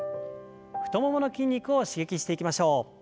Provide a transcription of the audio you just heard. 太ももの筋肉を刺激していきましょう。